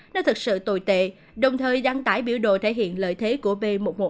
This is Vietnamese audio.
nó thực sự tồi tệ đồng thời đăng tải biểu đồ thể hiện lợi thế của b một một năm trăm hai mươi chín